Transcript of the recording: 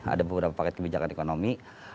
ada beberapa paket kebijakan ekonomi